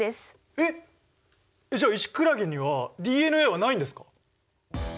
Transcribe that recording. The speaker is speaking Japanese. えっ？じゃあイシクラゲにはＤＮＡはないんですか！？